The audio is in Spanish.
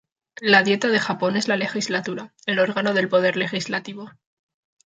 La Dieta de Japón es la legislatura, el órgano del Poder Legislativo.